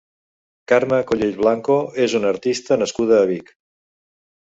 Carme Collell Blanco és una artista nascuda a Vic.